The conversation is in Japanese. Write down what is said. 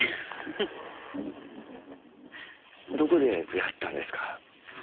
どこで出会ったんですか？